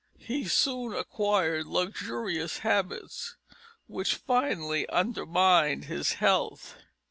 He soon acquired luxurious habits, which finally undermined his health.